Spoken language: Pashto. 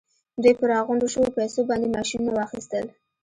دوی په راغونډو شويو پیسو باندې ماشينونه واخيستل.